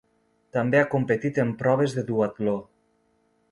També ha competit en proves de duatló.